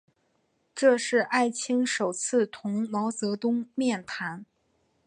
这是艾青首次同毛泽东面谈。